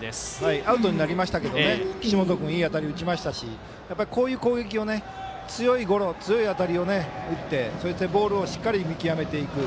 アウトになりましたけど岸本君、いい当たり打ちましたしこういう攻撃を強いゴロ、強い当たりを打ってボールを見極めていく。